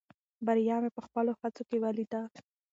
بریا مې په خپلو هڅو کې ولیده.